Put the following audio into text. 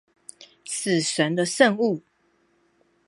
死神的聖物